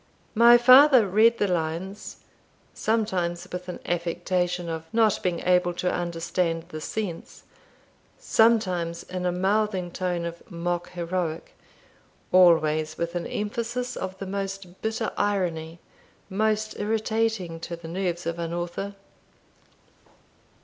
My father read the lines sometimes with an affectation of not being able to understand the sense sometimes in a mouthing tone of mock heroic always with an emphasis of the most bitter irony, most irritating to the nerves of an author.